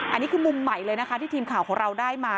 อันนี้คือมุมใหม่เลยนะคะที่ทีมข่าวของเราได้มา